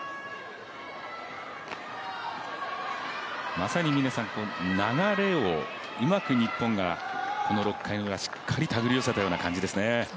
まさに流れをうまく日本がこの６回のウラしっかりたぐり寄せたような感じですね。